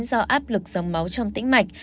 do áp lực dòng máu trong tĩnh mạch